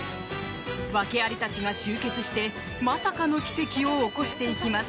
ワケありたちが集結してまさかの奇跡を起こしていきます。